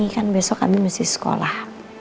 kan besok kami mesti sekolah